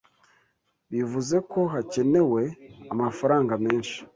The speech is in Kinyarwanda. bivuze ko hakenewe amafaranga menshi